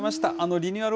リニューアル